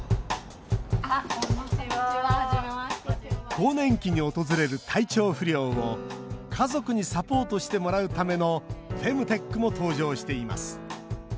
更年期に訪れる体調不良を家族にサポートしてもらうためのフェムテックも登場しています。